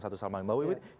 satu sama lain